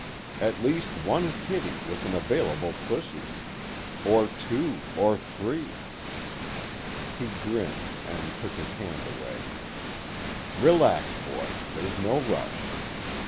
at least one kitty with an available pussy. Or two, or three." He grinned and took his hand away. "Relax, boy. There's no rush."